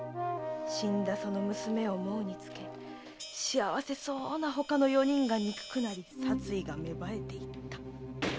死んだその娘を想うにつけ幸せそうなほかの四人が憎くなり殺意が芽生えていった。